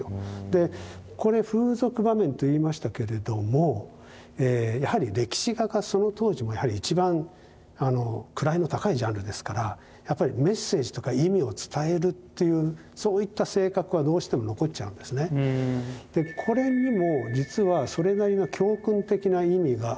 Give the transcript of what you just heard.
でこれ風俗場面といいましたけれどもやはり歴史画がその当時もやはり一番位の高いジャンルですからやっぱりメッセージとか意味を伝えるというそういった性格はどうしても残っちゃうんですね。というふうに思われます。